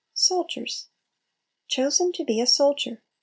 Soldiers. "Chosen to be a soldier."